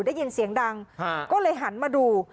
ได้ยินเสียงดังก็เลยหันมาดู